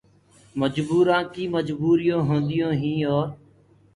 مجورآن ڪي مجوريون هونديون هين اور